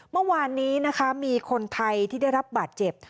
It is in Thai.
เมื่อวานนี้นะคะมีคนไทยที่ได้รับบาดเจ็บ